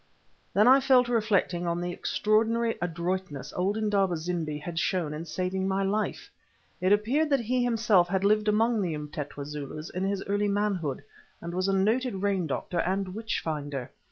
Then I fell to reflecting on the extraordinary adroitness old Indaba zimbi had shown in saving my life. It appeared that he himself had lived among the Umtetwa Zulus in his earlier manhood, and was a noted rain doctor and witch finder.